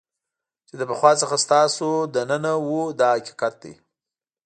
چې د پخوا څخه ستاسو دننه وو دا حقیقت دی.